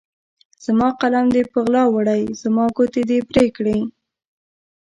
زما قلم دې په غلا وړی، زما ګوتې دي پرې کړي